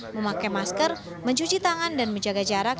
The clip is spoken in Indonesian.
memakai masker mencuci tangan dan menjaga jarak